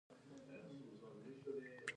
یو بل ته یې ګواښ وکړ.